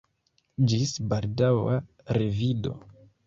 Ĝis baldaŭa revido!